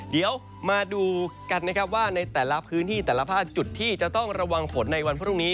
เดี๋ยวมาดูกันนะครับว่าในแต่ละพื้นที่แต่ละภาคจุดที่จะต้องระวังฝนในวันพรุ่งนี้